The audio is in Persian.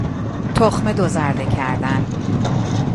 تخم دوزرده کردن